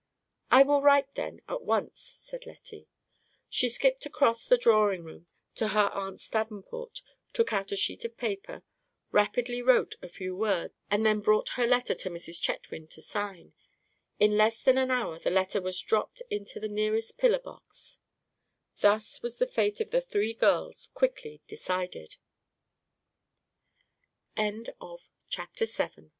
"I will write, then, at once," said Lettie. She skipped across the drawing room to her aunt's davenport, took out a sheet of paper, rapidly wrote a few words, and then brought her letter to Mrs. Chetwynd to sign. In less than an hour that letter was dropped into the nearest pillar box. Thus was the fate of the three girls quickly decided. CHAPTER VIII THE GILROYS.